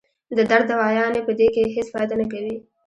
د درد دوايانې پۀ دې کښې هېڅ فائده نۀ کوي